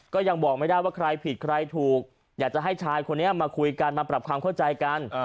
ก็ยังบอกไม่ได้ว่าใครผิดใครถูกอยากจะให้ชายคนนี้มาคุยกันมาปรับความเข้าใจกัน